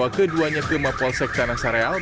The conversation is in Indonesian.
bawa keduanya ke mapol sekta nasareal